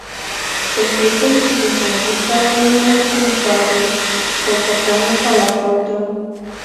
پوهېږم چې د جنګي کلا نيول مهم کار دی، خو په کمو تلفاتو.